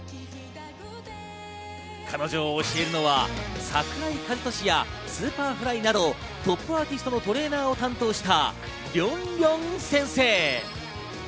彼女を教えるのは桜井和寿やＳｕｐｅｒｆｌｙなどをトップアーティストのトレーナーを担当した、りょんりょん先生。